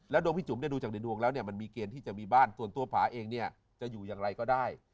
แล้วโดงพี่จุ๋มเนี่ยดูจากเดือนดวงแล้วมันมีเกณฑ์ที่จะมีบ้านส่วนตัวพ่าเองเนี่ยจะอยู่อย่างไรก็ได้